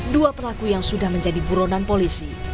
dua pelaku yang sudah menjadi buronan polisi